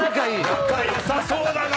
仲良さそうだな。